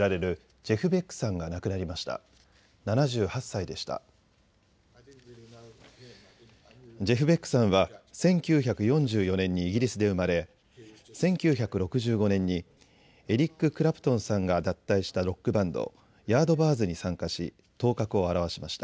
ジェフ・ベックさんは１９４４年にイギリスで生まれ１９６５年にエリック・クラプトンさんが脱退したロックバンド、ヤードバーズに参加し頭角を現しました。